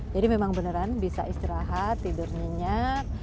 jadi memang beneran bisa istirahat tidur nyenyak